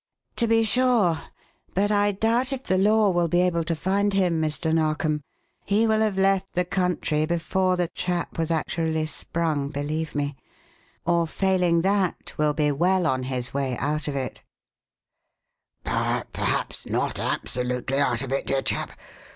"To be sure; but I doubt if the law will be able to find him, Mr. Narkom. He will have left the country before the trap was actually sprung, believe me; or failing that, will be well on his way out of it." "But perhaps not absolutely out of it, dear chap.